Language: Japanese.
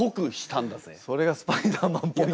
それがスパイダーマンっぽく？